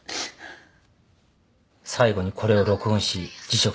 最後にこれを録音し辞職した。